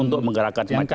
untuk menggerakkan yang kaya